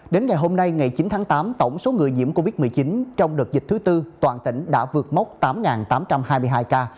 đến ngày hôm nay ngày chín tháng tám tổng số người nhiễm covid một mươi chín trong đợt dịch thứ tư toàn tỉnh đã vượt mốc tám tám trăm hai mươi hai ca